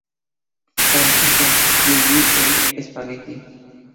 Por ejemplo: "You will eat spaghetti.